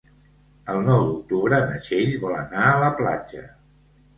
El nou d'octubre na Txell vol anar a la platja.